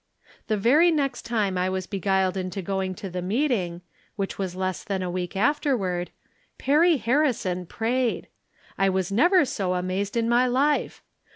The very next time I was beguiled into going to the meeting, which was less than a week af terward. Perry Harrison prayed! I was never so amazed in my life.